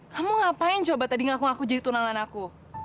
kamu ngapain coba tadi ngaku ngaku jadi tunangan aku